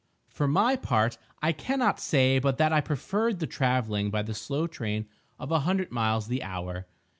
For my part, I cannot say but that I preferred the travelling by the slow train of a hundred miles the hour.